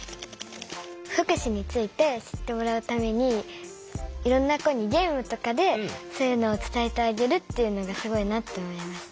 福祉について知ってもらうためにいろんな子にゲームとかでそういうのを伝えてあげるっていうのがすごいなって思いました。